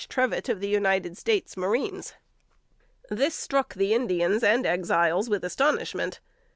Trevitt, of the United States Marines. This struck the Indians and Exiles with astonishment.